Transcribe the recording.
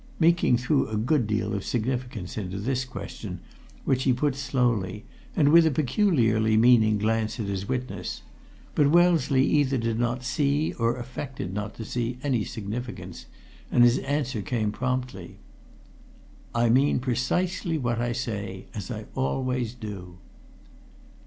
Meeking threw a good deal of significance into this question, which he put slowly, and with a peculiarly meaning glance at his witness. But Wellesley either did not see or affected not to see any significance, and his answer came promptly: "I mean precisely what I say as I always do."